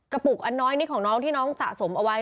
ปุกอันน้อยนี่ของน้องที่น้องสะสมเอาไว้